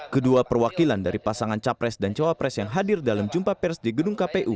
kedua perwakilan dari pasangan capres dan cawapres yang hadir dalam jumpa pers di gedung kpu